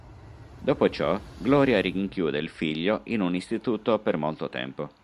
Dopo ciò Gloria rinchiude il figlio in un istituto per molto tempo.